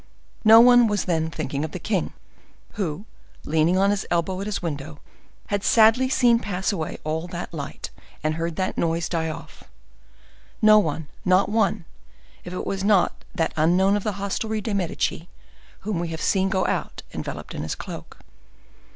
No one was then thinking of the king, who, leaning on his elbow at his window, had sadly seen pass away all that light, and heard that noise die off—no, not one, if it was not that unknown of the hostelry des Medici, whom we have seen go out, enveloped in his cloak.